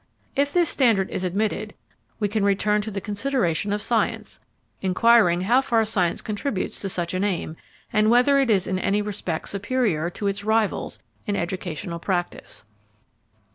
If this standard is admitted, we can return to the consideration of science, inquiring how far science contributes to such an aim, and whether it is in any respect superior to its rivals in educational practice.